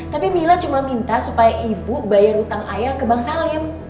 tapi mila cuma minta supaya ibu bayar utang ayah ke bang salim